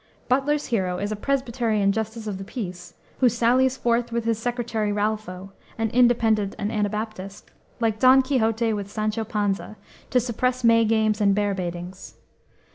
Butler's hero is a Presbyterian Justice of the Peace who sallies forth with his secretary, Ralpho an Independent and Anabaptist like Don Quixote with Sancho Panza, to suppress May games and bear baitings.